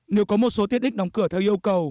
nếu có một số tiết ích đóng cửa theo yêu cầu